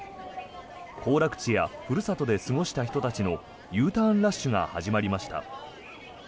行楽地やふるさとで過ごした人たちのＵターンラッシュが始まりました。